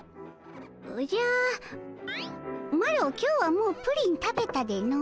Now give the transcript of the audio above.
おじゃマロ今日はもうプリン食べたでの。